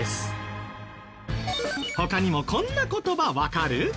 他にもこんな言葉わかる？